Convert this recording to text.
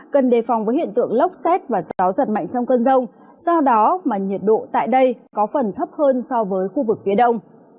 cần đề phòng với hiện tượng lốc xét và gió giật mạnh trong cơn rông do đó mà nhiệt độ tại đây có phần thấp hơn so với khu vực phía đông